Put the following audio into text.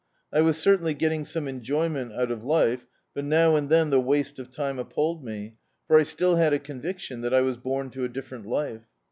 I was certainly getting some enjoyment out of life, but now and then the waste of time appalled me, for I still had a conviction that I was bom to a different life.